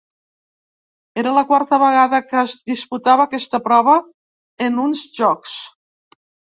Era la quarta vegada que es disputava aquesta prova en uns Jocs.